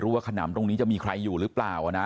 และก็คือว่าถึงแม้วันนี้จะพบรอยเท้าเสียแป้งจริงไหม